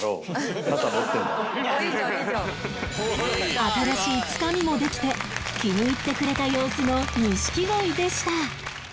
新しいつかみもできて気に入ってくれた様子の錦鯉でした